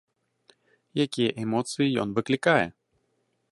Якія эмоцыі ён выклікае?